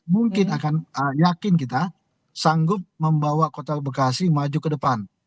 mungkin akan yakin kita sanggup membawa kota bekasi maju ke depan